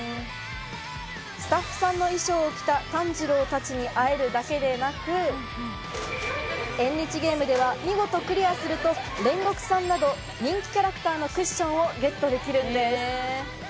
スタッフさんの衣装を着た炭治郎たちに会えるだけでなく、縁日ゲームでは見事クリアすると煉獄さんなど、人気キャラクターのクッションをゲットできるんです。